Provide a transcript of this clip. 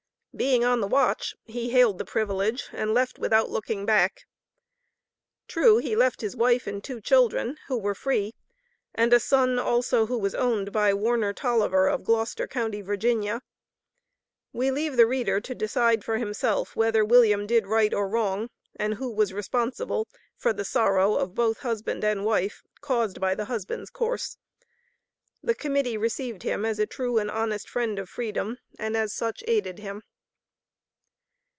Being on the watch, he hailed the privilege, and left without looking back. True he left his wife and two children, who were free, and a son also who was owned by Warner Toliver, of Gloucester county, Va. We leave the reader to decide for himself, whether William did right or wrong, and who was responsible for the sorrow of both husband and wife caused by the husband's course. The Committee received him as a true and honest friend of freedom, and as such aided him.